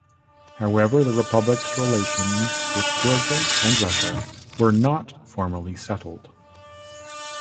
However the republic's relations with Georgia and Russia were not formally settled.